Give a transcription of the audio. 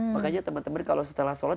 makanya temen temen kalo setelah sholat